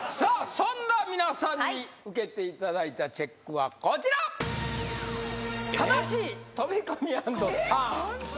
そんな皆さんに受けていただいたチェックはこちら正しい飛び込み＆ターンなんや？